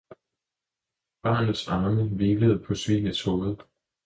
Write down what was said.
Barnets arme hvilede på svinets hoved.